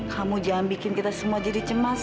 kamu jangan bikin kita semua jadi cemas